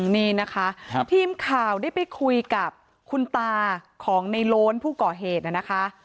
นี่นะคะทีมข่าวได้ไปคุยกับคุณตาของในโล้นผู้ก่อเหตุนะคะ